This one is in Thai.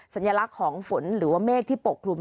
สัญลักษณ์ของฝนหรือว่าเมฆที่ปกคลุม